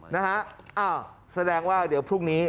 นะฮะอ้าวแสดงว่าเดี๋ยวพรุ่งนี้